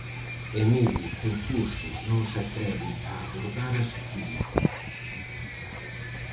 Emilio, confuso, non se atreve a abordar a Sofía.